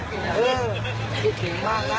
คิดถึงมากนะ